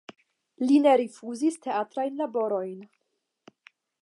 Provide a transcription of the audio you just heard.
Li ne rifuzis teatrajn laborojn.